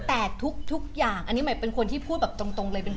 แต่ทุกอย่างอันนี้หมายเป็นคนที่พูดแบบตรงเลย